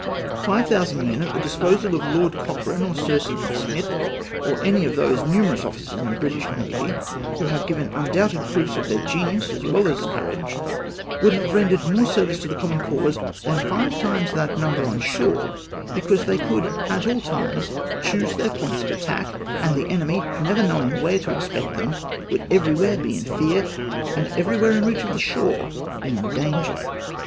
Five thousand men, at the disposal of Lord Cochrane or Sir Sidney Smith, or any of those numerous officers in the British Navy who have given undoubted proofs of their genius as well as courage, would have rendered more service to the common cause than five times that number on shore, because they could at all times choose their points of attack, and the enemy, never knowing where to expect them, would everywhere be in fear, and everywhere in reach of the shore in danger.